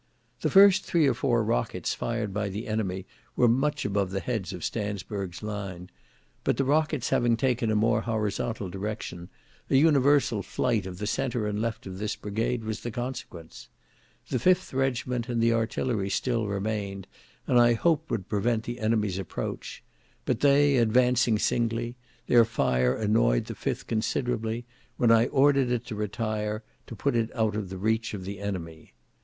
"The first three or four rockets fired by the enemy were much above the heads of Stansburg's line; but the rockets having taken a more horizontal direction, an universal flight of the centre and left of this brigade was the consequence. The 5th regiment and the artillery still remained, and I hoped would prevent the enemy's approach, but they advancing singly, their fire annoyed the 5th considerably, when I ordered it to retire, to put it out of the reach of the enemy.